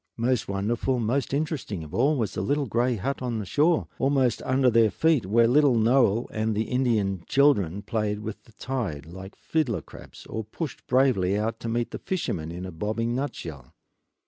Most wonderful, most interesting of all was the little gray hut on the shore, almost under their feet, where little Noel and the Indian children played with the tide like fiddler crabs, or pushed bravely out to meet the fishermen in a bobbing nutshell.